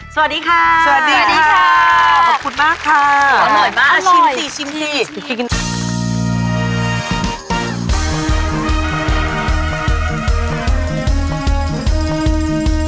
สวัสดีค่ะ